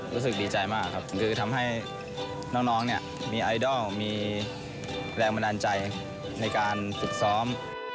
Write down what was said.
รู้สึกดีใจมากครับคือทำให้น้องเนี่ยมีไอดอลมีแรงบันดาลใจในการฝึกซ้อม